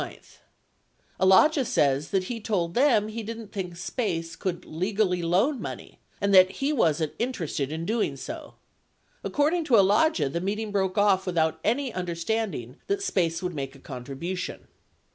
59 Alagia says that he told them he didn't think SPACE could legally loan money and that he wasn't interested in doing so. According to Alagia, the meeting broke off without any understanding that SPACE would make a contribution.